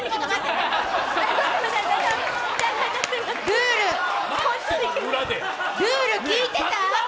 ルール聞いてた？